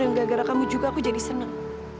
dan gara gara kamu juga aku jadi senang